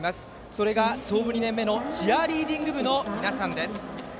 それが、創部２年目のチアリーディング部の皆さんです。